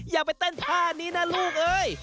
อย่าไปเต้นท่านี้นะลูกเอ้ย